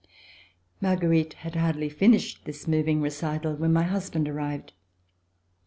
Marguerite had hardly finished this moving recital when my husband arrived.